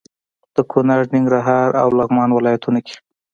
د کونړ، ننګرهار او لغمان ولايتونو کې